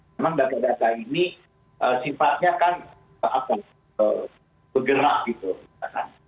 memang data data ini sifatnya kan bergerak gitu